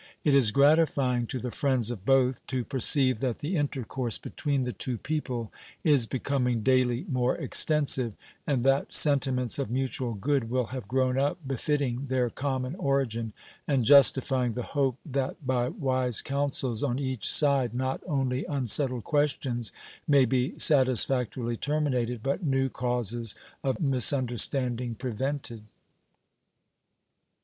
It is gratifying to the friends of both to perceive that the intercourse between the two people is becoming daily more extensive, and that sentiments of mutual good will have grown up befitting their common origin and justifying the hope that by wise counsels on each side not only unsettled questions may be satisfactorily terminated, but new causes of misunderstanding prevented.